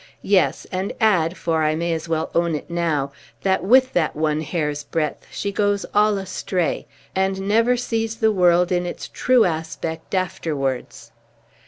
Yes; and add (for I may as well own it, now) that, with that one hair's breadth, she goes all astray, and never sees the world in its true aspect afterwards."